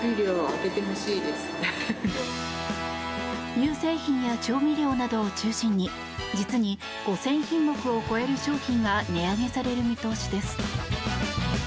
乳製品や調味料などを中心に実に５０００品目を超える商品が値上げされる見通しです。